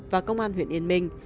và công an huyện yên minh